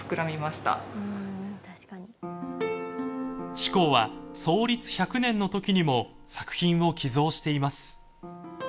志功は創立１００年の時にも作品を寄贈しています。